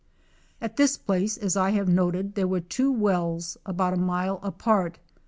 At this place, as I have noted, there were two wells about a mile apart.